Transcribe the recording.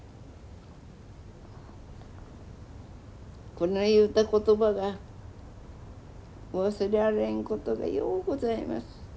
こない言うた言葉が忘れられんことがようございます。